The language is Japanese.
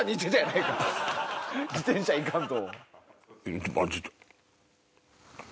自転車行かんと。